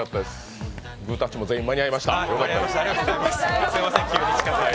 グータッチも全員、間に合いました。